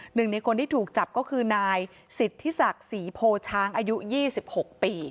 หนึ่งในคนที่ถูกจับก็คือนายสิทธิศักดิ์ศรีโพช้างอายุ๒๖ปี